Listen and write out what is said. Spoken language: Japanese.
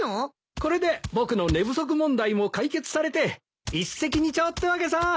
これで僕の寝不足問題も解決されて一石二鳥ってわけさ！